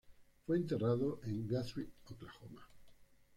Fue enterrado en Guthrie, Oklahoma.